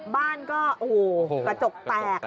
บ้านก็โหกระจกแตกค่ะ